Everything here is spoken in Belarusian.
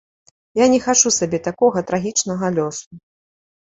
Я не хачу сабе такога трагічнага лёсу.